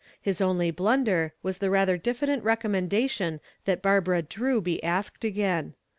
His only blunder was the rather diffident recommendation that Barbara Drew be asked again.